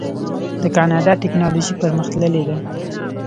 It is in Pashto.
د کاناډا ټیکنالوژي پرمختللې ده.